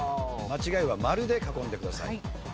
間違いは丸で囲んでください。